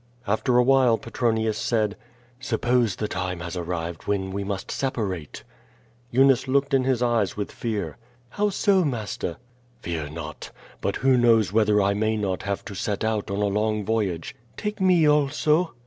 After a while Petronius said: "Suppose the time has arrived when we must separate?" Eunice looked in his eyes with fear. "How so, master?" "Fear not! But who knows whether I may not have to set out on a long voyage." "Take me also."